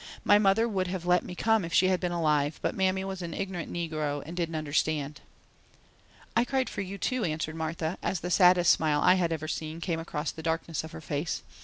My mother would have let me come if she had been alive, but Mammy was an ignorant negro and didn't understand." "I cried for you, too," answered Martha, as the saddest smile I had ever seen came across the darkness of her face.